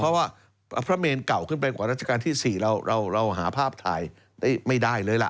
เพราะว่าพระเมนเก่าขึ้นไปกว่าราชการที่๔เราหาภาพถ่ายไม่ได้เลยล่ะ